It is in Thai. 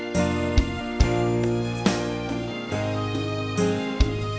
สองรวมหนึ่งครับ